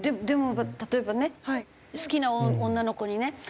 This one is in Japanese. でも例えばね好きな女の子にね